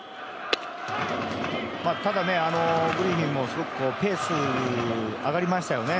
ただ、グリフィンもすごくペース上がりましたよね。